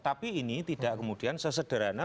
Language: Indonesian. tapi ini tidak kemudian sesederhana